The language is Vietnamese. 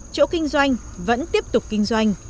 chỗ kinh doanh vẫn tiếp tục kinh doanh